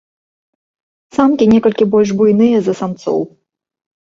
Самкі некалькі больш буйныя за самцоў.